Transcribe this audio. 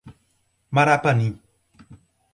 Marapanim